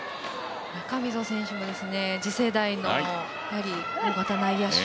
中溝選手も次世代の大型内野手。